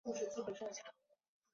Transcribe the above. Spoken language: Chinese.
弗内斯两部分。